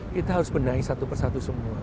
kita harus benahi satu persatu semua